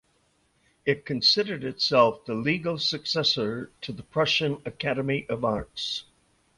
It considered itself the legal successor to the Prussian Academy of Arts.